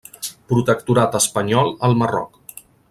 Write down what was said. Protectorat espanyol al Marroc.